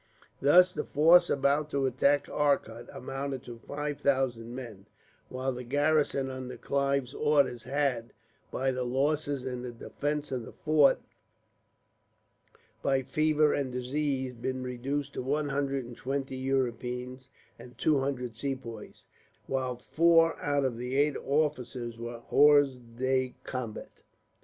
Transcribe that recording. Thus the force about to attack Arcot amounted to five thousand men; while the garrison under Clive's orders had, by the losses in the defence of the fort, by fever and disease, been reduced to one hundred and twenty Europeans, and two hundred Sepoys; while four out of the eight officers were hors de combat.